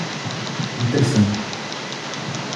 Pettersson.